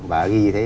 bà ghi như thế